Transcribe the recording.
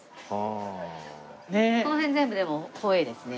この辺全部でもホエイですね。